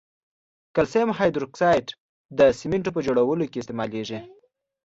کلسیم هایدروکساید د سمنټو په جوړولو کې استعمالیږي.